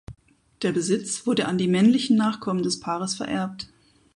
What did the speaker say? Der Besitz wurde an die männlichen Nachkommen des Paares vererbt.